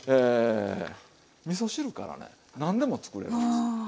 みそ汁からね何でもつくれるんですよ。